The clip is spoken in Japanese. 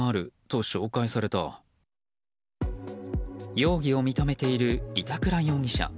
容疑を認めている板倉容疑者。